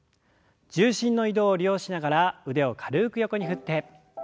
重心の移動を利用しながら腕を軽く横に振って。